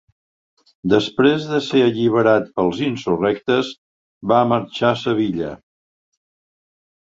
Després de ser alliberat pels insurrectes va marxar a Sevilla.